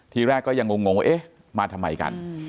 ทีแรกก็ยังงงว่าเอ๊ะมาทำไมกัน